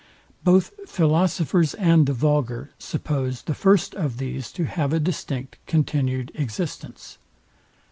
Both philosophers and the vulgar suppose the first of these to have a distinct continued existence.